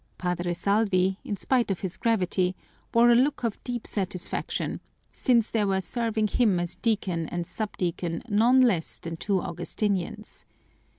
Padre Salvi, in spite of his gravity, wore a look of deep satisfaction, since there were serving him as deacon and subdeacon none less than two Augustinians.